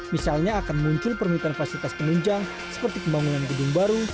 misalnya akan muncul permintaan fasilitas penunjang seperti pembangunan gedung baru